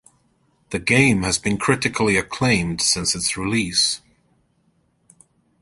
The game has been critically acclaimed since its release.